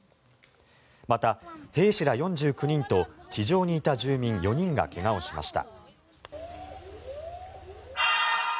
また、兵士ら４９人と地上にいた住民４人が怪我をしました。